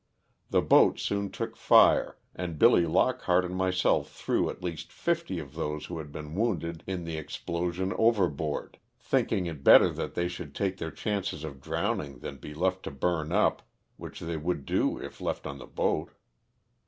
The boat soon took fire, and Billy Lockhart and my self threw at least fifty of those who had been wounded in the explosion overboard, thinking it better that they should take their chances of drowning than be left to burn up, which they would do if left on the boat.